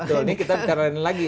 ini kita dikarenain lagi